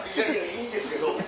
いやいいんですけど。